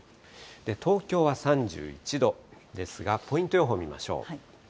東京は３１度ですが、ポイント予報を見ましょう。